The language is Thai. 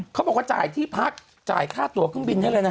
เขาบอกว่าจ่ายที่พักจ่ายค่าตัวเครื่องบินให้เลยนะ